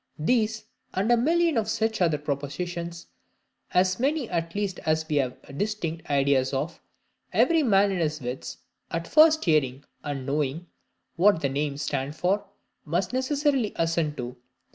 These and a million of such other propositions, as many at least as we have distinct ideas of, every man in his wits, at first hearing, and knowing, what the names stand for, must necessarily assent to.